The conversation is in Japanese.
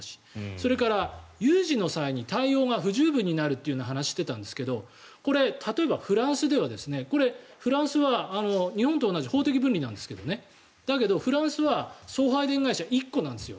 それから、有事の際に対応が不十分になるという話をしてたんですがこれ、例えばフランスではフランスは日本と同じ法的分離なんですけどだけどフランスは送配電会社１個なんですよ。